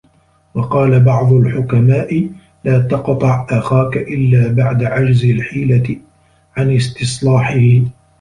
وَقَالَ بَعْضُ الْحُكَمَاءِ لَا تَقْطَعْ أَخَاك إلَّا بَعْدَ عَجْزِ الْحِيلَةِ عَنْ اسْتِصْلَاحِهِ